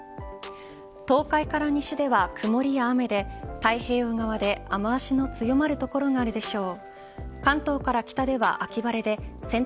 東海から西では曇りや雨で太平洋側で雨脚の強まる所があるでしょう。